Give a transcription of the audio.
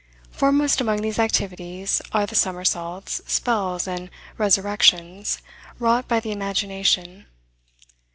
Foremost among these activities, are the summersaults, spells, and resurrections, wrought by the imagination.